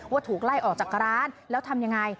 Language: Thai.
ถูกไล่ออกจากร้านแล้วทำยังไง